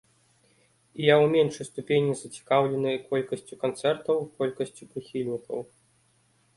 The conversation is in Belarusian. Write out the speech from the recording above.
І я ў меншай ступені зацікаўлены колькасцю канцэртаў, колькасцю прыхільнікаў.